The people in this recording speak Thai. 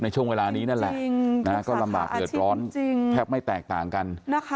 พี่แจ๊คนั่งร้องไห้แล้ว